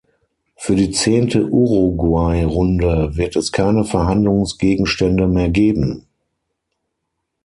Für die zehnte Uruguay-Runde wird es keine Verhandlungsgegenstände mehr geben.